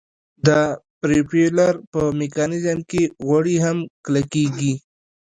د پروپیلر په میکانیزم کې غوړي هم کلکیږي